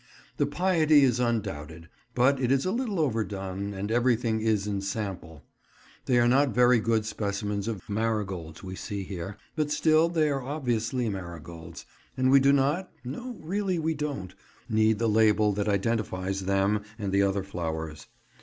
The piety is undoubted, but it is a little overdone, and everything is in sample. They are not very good specimens of marigolds we see here, but still they are obviously marigolds, and we do not—no really we don't—need the label that identifies them and the other flowers.